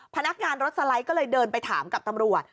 พนักงานรถสไลด์ก็เลยเดินไปถามกับตำรวจ